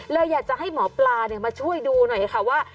อยากจะให้หมอปลามาช่วยดูหน่อยค่ะว่า